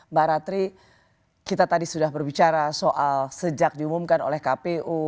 mbak ratri kita tadi sudah berbicara soal sejak diumumkan oleh kpu